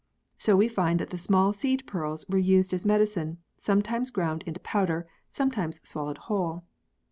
So we find that the small seed pearls were used as medicine, sometimes ground into powder, sometimes swallowed whole.